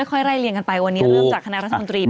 ค่อยไล่เรียนกันไปวันนี้เริ่มจากคณะรัฐมนตรีไปก่อน